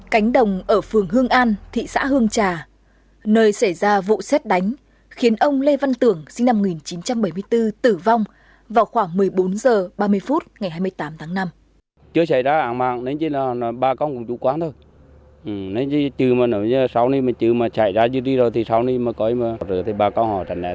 cánh đồng ở phường hương an thị xã hương trà nơi xảy ra vụ xét đánh khiến ông lê văn tưởng sinh năm một nghìn chín trăm bảy mươi bốn tử vong vào khoảng một mươi bốn h ba mươi phút ngày hai mươi tám tháng năm